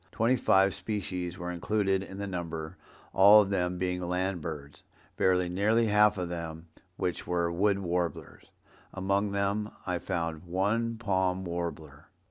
Twenty five species were included in the number, all of them being land birds, very nearly half of which were Wood Warblers. Among them I found one Palm Warbler."